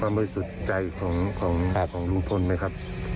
บางวิสุทธิ์ใจของของของลงเป็นไหมครับ